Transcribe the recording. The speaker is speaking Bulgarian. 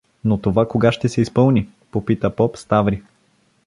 — Но това кога ще се изпълни? — попита поп Ставри.